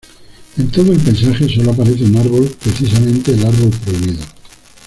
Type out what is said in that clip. En todo el paisaje solo aparece un árbol, precisamente el Árbol Prohibido.